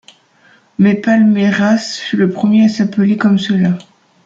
Mais Palmeiras fut le premier à s'appeler comme cela.